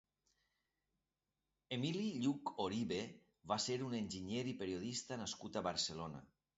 Emili Lluch Oribe va ser un enginyer i periodista nascut a Barcelona.